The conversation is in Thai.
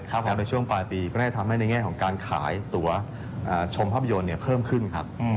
แต่ช่วงปลายปีก็ได้ทำให้ในแง่ของการขายตัวชมภาพยนตร์เนี่ยเพิ่มขึ้นครับ